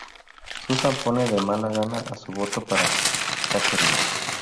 Susan pone de mala gana su voto para Katherine.